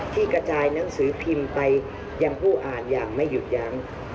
ที่กระจายหนังสือพิมพ์ไปยังผู้อ่านอย่างไม่หยุดยั้ง